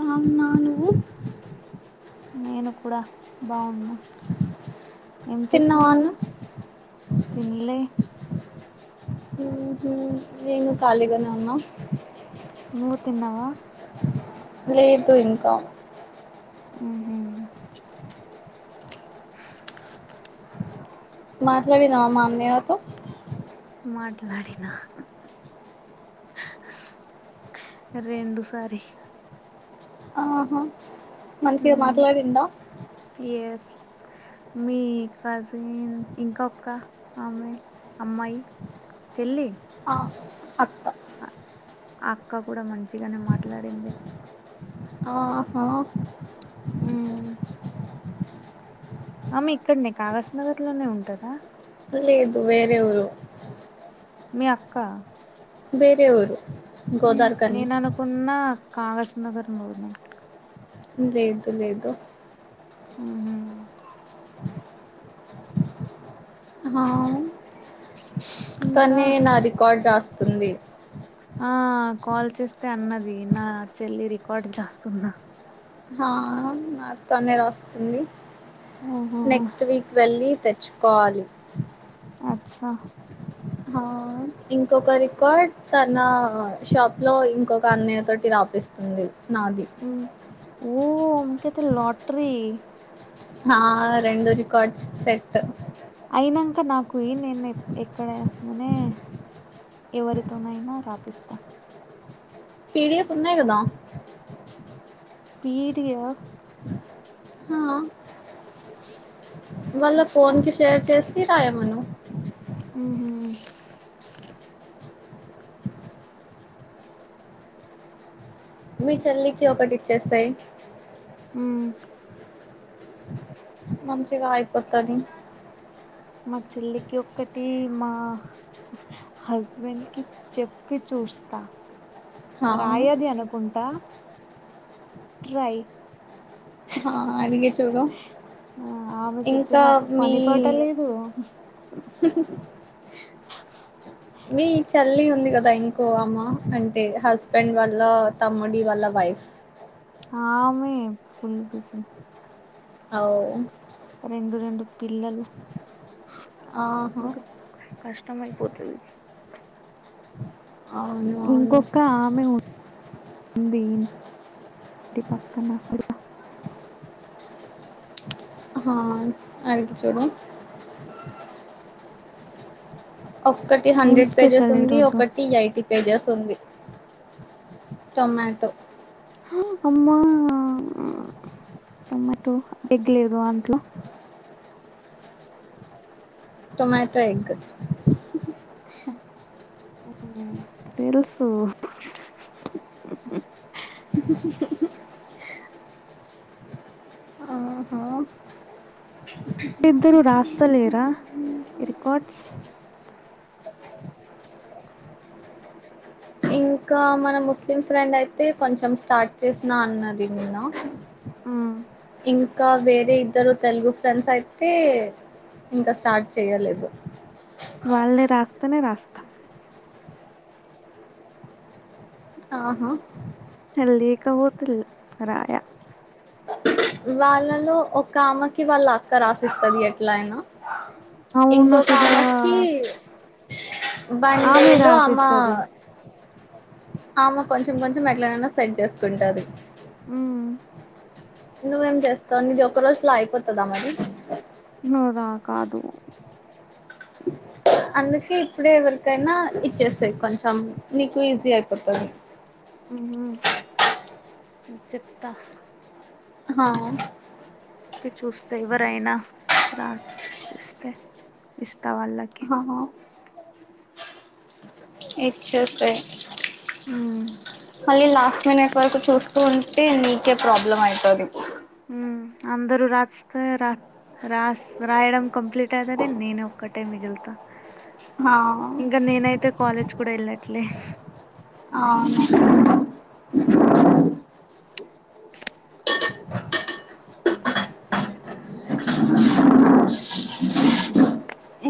బాగున్నా నువ్వు నేను కూడా బాగున్నా ఏం తిన్నావా చేస్తున్నారు అన్నం తిన్లే నేను కాళీగానే ఉన్నా నువ్వు తిన్నావా లేదు ఇంకా ఉహుమ్ మాట్లాడినవా మా అన్నయ్య తో మాట్లాడినా సరే అండి సారీ ఆహా మంచిగా ఉమ్ మాట్లాడిండా ఎస్ మీ కజిన్ ఇంకొక్క ఆమె అమ్మాయి చెల్లి ఆ అక్క ఆ అక్క కూడా మంచిగానే మాట్లాడింది ఆహా హ్మ్ ఆమె ఇక్కడనే కాగస్ నగర్ లోనే ఉంటదా లేదు వేరే ఊరు మీ అక్క వేరే ఊరు గోదార్ కని నేను అనుకున్న కాగస్ నగర్ లోనే లేదు లేదు హ్మ్ హు ఆ ఇంకా తనే నా రికార్డ్ రాస్తుంది ఆ కాల్ చేస్తే అన్నది నా చెల్లి రికార్డు రాస్తున్న ఆ నాది తనే రాస్తుంది ఆహా నెక్స్ట్ వీక్ వెళ్ళి తె చ్చుకోవాలి అచ్చా ఇంకొక రికార్డ్ తన షాప్ లో ఇంకొక అన్నయ్య తోటి రాపి స్తుంది నాది ఓహో అంకిత లాట్రీ హా రెండు రికార్డ్ సెట్ అయినంక నాకు ఈ నేను ఇక్కడ మునే ఎవరితోనైనా రాపిస్తా పిడిఎఫ్ ఉన్నాయ్ కదా పిడిఎఫ్ ఆ వాళ్ళ చూస్తా ఫోన్ కి షేర్ చేసి రాయ్ ఉహూ మీ చెల్లికి ఒకటి ఇచ్చేసేయ్ ఉమ్ మంచిగా అయిపోతది మా చెల్లికి ఒక్కటి మా హస్బెండ్ కి చెప్పి చూస్తా ఆ రాయది అనుకుంటా ట్రై ఆ ఆమె [unintelligible] చెప్తే ఇంకా నాకు మీ పని పాట లేదు మీ చెల్లి ఉంది కదా ఇంకో ఆమె అంటే హస్బెండ్ వాళ్ళ తమ్ముడి వాళ్ళ వైఫ్ ఫ్ ఆమె ఫుల్ బిజీ ఆ ఓ రెండు రెండు పిల్లలు ఆహా మొత్తం అయిపోతది అవును అవును ఇంకొక ఆమె ఉంది నీ పక్కన స హా అటు చూడు ఒక్కటి ఏం హండ్రెడ్ పేజెస్ స్పెషల్ ఉంది ఈరోజు ఒకటి ఎయిటీ పేజెస్ ఉంది టొమాటో హో అమ్మా టొమాటో ఎగ్ లేదు అంట్ల టొమాటో ఎగ్ తెలుసు అ ఆహా ఇద్దరు రాస్తలేరా రికార్డ్స్ ఇంకా మన ముస్లిం ఫ్రెండ్ అయితే కొంచెం స్టార్ట్ చేసినా అన్నది నిన్న ఇంకా వేరే ఇద్దరు తెలుగు ఫ్రెండ్స్ అయితే ఇంకా స్టార్ట్ చేయలేదు వాళ్ళు నే రాస్తేనే రాస్తా ఆహా వాళ్ళు లేకపోతే రాయా వాళ్ళలో ఒక ఆమెకి వాళ్ళ అక్క రాసిస్తది ఎట్లైనా అవును ఇంకొక కదా ఆమెకి ఆమె బండేలు అమ్మ రాసిస్తది ఆమ కొంచెం కొంచెం ఎట్లనైనా సెట్ జేసుకుంటది ఉమ్ నువ్వేం జేస్తాం నీది ఒక్క రోజులో అయిపోతదా మరి నాదా కాదు అందుకే ఇప్పుడే ఎవరికైనా ఇచ్చేసేయ్ కొంచెం నీకు ఈజీ అయిపోతది ఉమ్ చెప్తా హా ఇప్పి చూస్తే ఎవరైనా రాసిస్తే ఇస్త కావాలకి హా ఇట్సోకే ఉమ్ మళ్ళీ లాస్ట్ మినట్ వరకు చూస్తూ ఉంటే నీకే ప్రాబ్లమ్ అయితది ఉమ్ అందరూ రాస్తే రా రాస్ రాయడం కంప్లీట్ అయితనది నేను ఒక్కటే మిగులుతా హా ఇంగా నేనైతే కాలేజ్ కూడా యెళ్ళట్లే ఉమ్, అవునా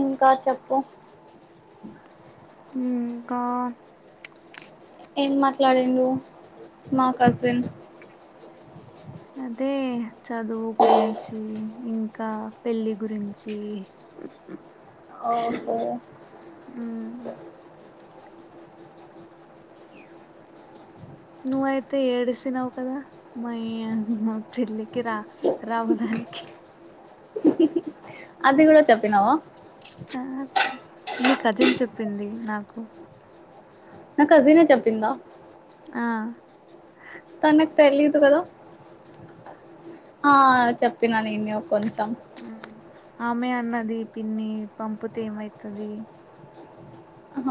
ఇంకా చెప్పు ఇంకా ఏం మాట్లాడిండు మా కజిన్ అదే చదువు గురించి ఇంకా పెళ్ళి గురించి ఓహో ఉమ్ నువైతే ఏడుసినవ్ కదా మై మా పెళ్ళికి రా రావాలని నక [inaudible] అది గూడ చెప్పినవా ఆ, నీ కజిన్ చెప్పింది నాకు నా కజినే చెప్పిందా ఆ తనకు తెలిలదు గదా ఆ చెప్పినా నేనె ఇగ కొంచం ఆమె అన్నది పిన్ని పంపుతే ఏమైతది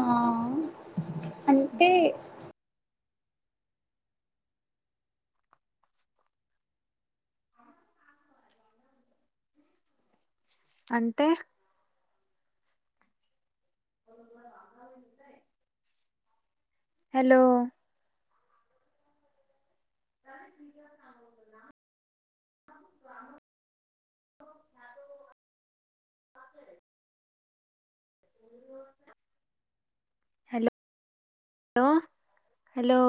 ఆ ఉ అంటే [inaudible] అంటే వా ఉంటయి [inaudible] హలో ే [inaudible] అంది [inaudible] అ [inaudible] హ హలో హలో